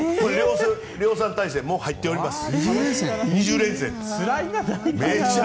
量産体制にもう入っております。